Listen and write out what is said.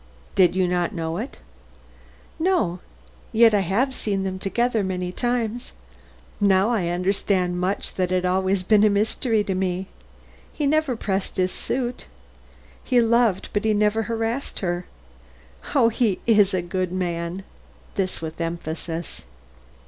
"Did you not know it?" "No; yet I have seen them together many times. Now I understand much that has always been a mystery to me. He never pressed his suit; he loved, but never harassed her. Oh, he is a good man!" This with emphasis.